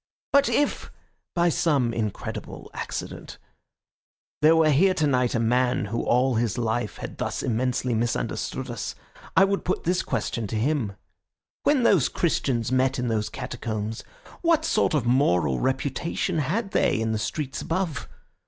But if, by some incredible accident, there were here tonight a man who all his life had thus immensely misunderstood us, I would put this question to him: 'When those Christians met in those Catacombs, what sort of moral reputation had they in the streets above?